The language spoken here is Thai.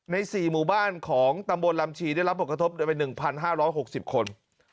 ใน๔หมู่บ้านของตำบลรำชีได้รับปกติโดยไป๑๕๖๐คน